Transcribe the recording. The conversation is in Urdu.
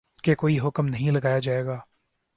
کہ کوئی حکم نہیں لگایا جائے گا